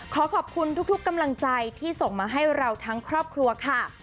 ขอขอบคุณทุกกำลังใจที่ส่งมาให้เราทั้งครอบครัวค่ะ